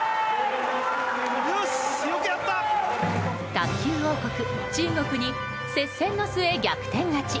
卓球王国・中国に接戦の末、逆転勝ち。